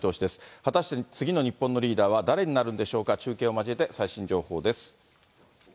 果たして次の日本のリーダーは誰になるんでしょうか、中継を交えて最新情報です。